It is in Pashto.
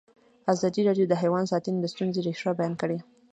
ازادي راډیو د حیوان ساتنه د ستونزو رېښه بیان کړې.